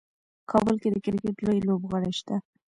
کابل کې د کرکټ لوی لوبغالی شته.